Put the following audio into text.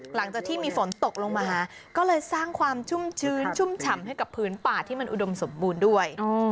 หลังจากที่มีฝนตกลงมาก็เลยสร้างความชุ่มชื้นชุ่มฉ่ำให้กับพื้นป่าที่มันอุดมสมบูรณ์ด้วย